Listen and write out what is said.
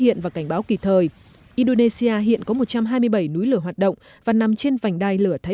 hiện và cảnh báo kịp thời indonesia hiện có một trăm hai mươi bảy núi lửa hoạt động và nằm trên vành đai lửa thái